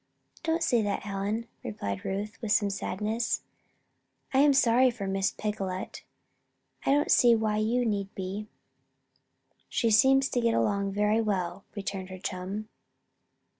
"Don't say that, Helen," replied Ruth, with some sadness. "I am sorry for Miss Picolet." "I don't see why you need be. She seems to get along very well," returned her chum.